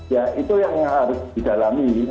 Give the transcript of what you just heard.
ya itu yang harus didalami